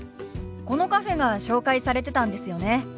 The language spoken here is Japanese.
このカフェが紹介されてたんですよね？